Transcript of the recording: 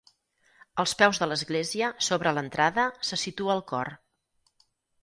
Als peus de l'església, sobre l'entrada, se situa el cor.